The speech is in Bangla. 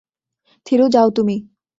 থিরু, যাও তুমি।